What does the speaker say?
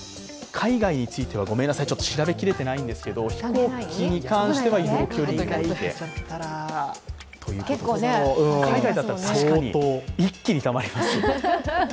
海外についてはごめんなさい、調べきれていないんですけれども、飛行機に関しては、移動距離が出て海外だったら相当、一気にたまりますね。